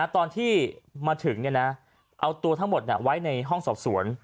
ตอนที่มาถึงเอาตัวทั้งหมดไว้ในห้องสอบสวน